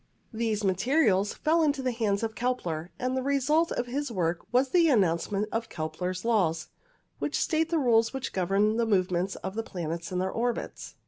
These materials fell into the hands of Kepler, and the result of his work was the announcement of Kepler's Laws, which state the rules which govern the movements of the planets in their orbits.